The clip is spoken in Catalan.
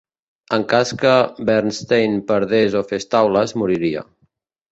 En cas que Bernstein perdés o fes taules, moriria.